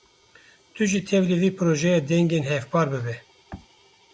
Tu jî tevlî vê projeya dengên hevpar bibe.